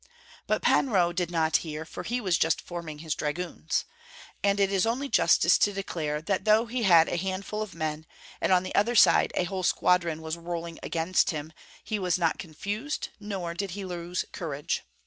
But Pan Roh did not hear, for he was just forming his dragoons. And it is only justice to declare that though he had a handful of men, and on the other side a whole squadron was rolling against him, he was not confused, nor did he lose courage.